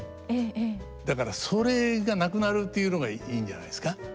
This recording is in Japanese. だからそれがなくなるというのがいいんじゃないですか。